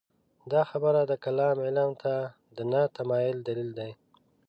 دا خبره د کلام علم ته د نه تمایل دلیل دی.